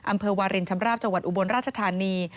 อำเภอวารินชำราบจังหวัดอุบลราชธานี